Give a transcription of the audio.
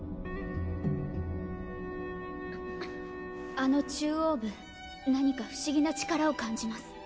あの中央部何か不思議な力を感じます。